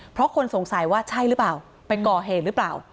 เพราะคนสงสัยว่าใช่หรือเปล่าไปก่อเหตุหรือเปล่า